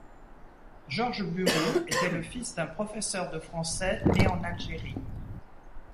Georges Burou était le fils d'un professeur de français né en Algérie.